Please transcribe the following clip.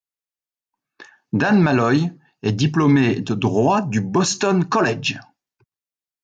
Dan Malloy est diplômé de droit du Boston College.